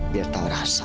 biar tau rasa